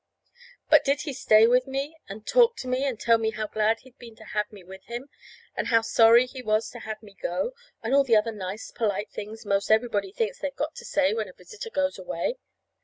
But did he stay with me and talk to me and tell me how glad he had been to have me with him, and how sorry he was to have me go, and all the other nice, polite things 'most everybody thinks they've got to say when a visitor goes away?